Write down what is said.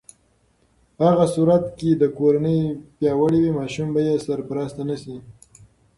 په هغه صورت کې چې کورنۍ پیاوړې وي، ماشوم به بې سرپرسته نه شي.